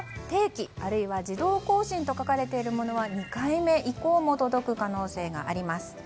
定期、あるいは自動更新と書かれているものは２回目以降も届く可能性があります。